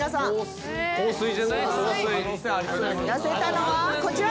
痩せたのはこちら。